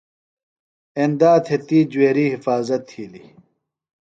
ایندا تھےۡ تی جُویری حفاظت تِھیلیۡ۔